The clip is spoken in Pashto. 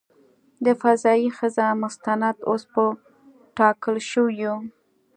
د "فضايي ښځه" مستند اوس په ټاکل شویو .